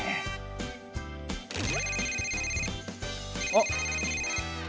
あっ。